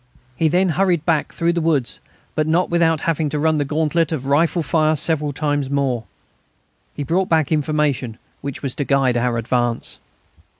He then hurried back through the woods, but not without having to run the gauntlet of rifle fire several times more. He brought back information which was to guide our advance.